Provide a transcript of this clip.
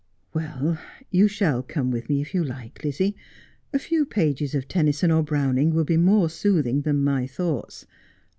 ' Well, you shall come with me if you like, Lizzie. A few pages of Tennyson or Browning will be more soothing than my thoughts.